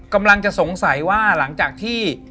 กำลังจะสงสัยว่าหลังจากที่